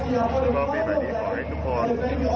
แล้วก็ปีใหม่นี้ขอให้ทุกคน